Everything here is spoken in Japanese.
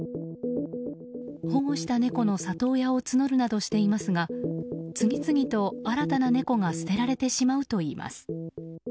保護した猫の里親を募るなどしていますが次々と新たな猫が捨てられてしまうといいます。